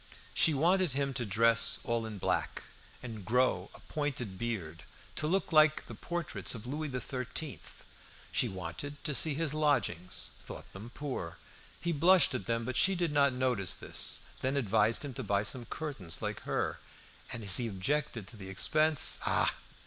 She wanted him to dress all in black, and grow a pointed beard, to look like the portraits of Louis XIII. She wanted to see his lodgings; thought them poor. He blushed at them, but she did not notice this, then advised him to buy some curtains like hers, and as he objected to the expense "Ah!